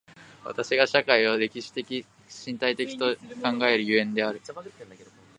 私が社会を歴史的身体的と考える所以である。